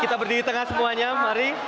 kita berdiri tengah semuanya mari